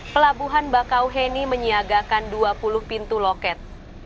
pelabuhan bakauheni menyiagakan dua puluh pintu loket